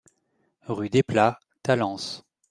Rue Desplats, Talence